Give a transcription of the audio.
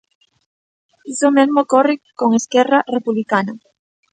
Iso mesmo ocorre con Esquerra Republicana.